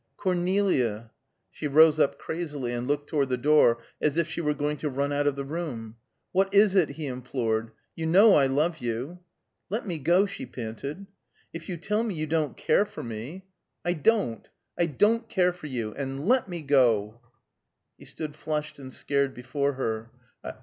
Cornelia " She rose up crazily, and looked toward the door, as if she were going to run out of the room. "What is it?" he implored. "You know I love you." "Let me go!" she panted. "If you tell me you don't care for me " "I don't! I don't care for you, and let me go!" He stood flushed and scared before her.